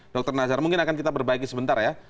dr nazar mungkin akan kita perbaiki sebentar ya